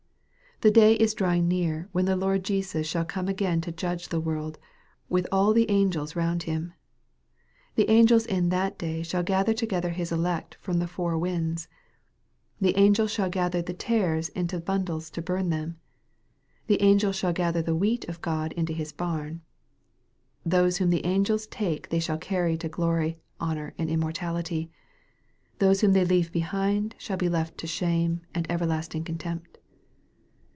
The day is drawing near when the Lord Jesus shall come again to judge the world, with all the angels round Him. The angels in that day shall gather together His elect from the four winds. The angels shall gather the tares into bundles to burn them. The angels shall gather the wheat of God into His barn. Those whom the angels take they shall carry to glory, honor, and immortality. Those whom they leave behind shall be left to shame and everlasting contempt.